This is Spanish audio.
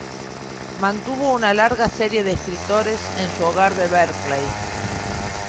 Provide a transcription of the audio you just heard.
Mantuvo una larga serie de escritores en su hogar de Berkley.